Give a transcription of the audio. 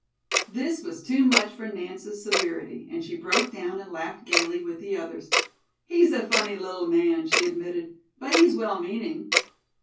'" This was too much for Nance's severity, and she broke down and laughed gaily with the others. "He's a funny little man," she admitted, "but he's well meaning."